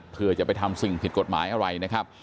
เพื่อจะไปทำสิ่งผิดกฎหมายอะไรนะครับ